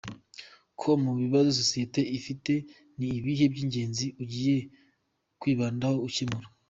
com : Mu bibazo sosiyete ifite, ni ibihe by’ingenzi ugiye kwibandaho ukemura ?.